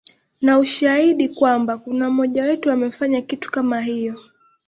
na ushahidi kwamba kuna mmoja wetu amefanya kitu kama hiyo